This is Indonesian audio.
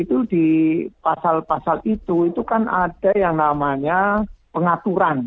itu di pasal pasal itu itu kan ada yang namanya pengaturan